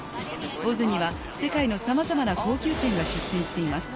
ＯＺには世界のさまざまな高級店が出店しています。